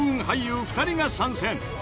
俳優２人が参戦！